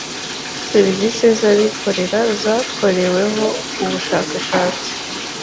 serivisi z’abikorera zakoreweho ubushakashatsi